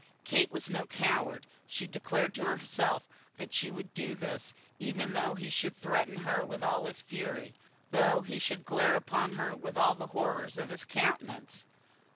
Kate was no coward. She declared to herself that she would do this even though he should threaten her with all his fury, though he should glare upon her with all the horrors of his countenance.